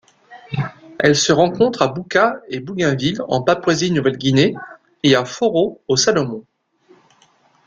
Elle se rencontre à Buka et Bougainville en Papouasie-Nouvelle-Guinée et à Fauro aux Salomon.